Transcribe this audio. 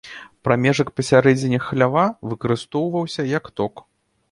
Прамежак пасярэдзіне хлява выкарыстоўваўся як ток.